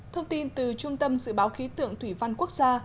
thông tin từ trung tâm dự báo khí tượng thủy văn quốc gia